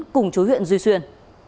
cùng chú huyện duy xuyên